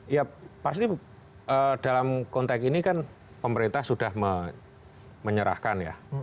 ya pasti dalam konteks ini kan pemerintah sudah menyerahkan ya